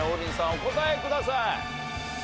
お答えください。